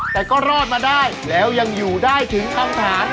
แต่ก็รอดมาได้แล้วยังอยู่ได้ถึงคำถาม